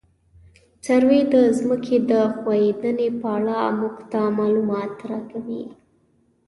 سروې د ځمکې د ښوېدنې په اړه موږ ته معلومات راکوي